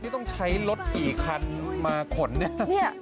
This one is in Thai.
ต้องใช้รถกี่คันมาขนเนี่ย